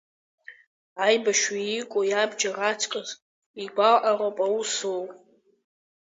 Аибашьҩы иику иабџьар аҵкыс игәалаҟароуп аус злоу.